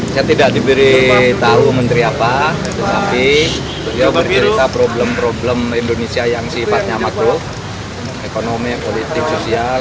saya tidak diberitahu menteri apa tapi dia bercerita problem problem indonesia yang sifatnya makro ekonomi politik sosial